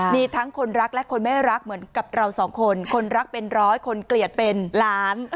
มีทั้งคนรักและคนไม่รักเหมือนกับเราสองคนคนรักเป็นร้อยคนเกลียดเป็นล้าน